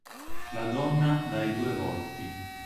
La donna dai due volti